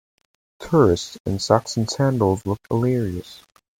Tourists in socks and sandals look hilarious.